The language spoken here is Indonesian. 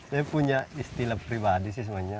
saya punya istilah pribadi sih sebenarnya